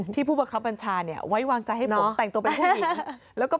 ที่ผู้บังคับบัญชาเขาไว้วางใจนะครับ